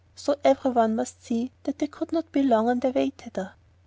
So everyone must see that they could not be long on their way thither.